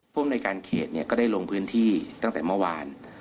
ภูมิในการเขตก็ได้ลงพื้นที่ตั้งแต่เมื่อวาน